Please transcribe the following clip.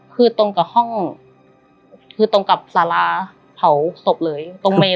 คือตรงกับห้องคือตรงกับสาราเผาศพเลยตรงเมน